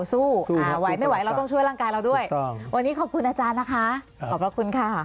สู้อ่าไหวไม่ไหวเราต้องช่วยร่างกายเราด้วยวันนี้ขอบคุณอาจารย์นะคะขอบพระคุณค่ะ